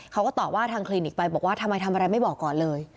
เขาก็ตอบว่าทางคลินิกไปบอกว่าทำไมทำอะไรไม่บอกก่อนเลย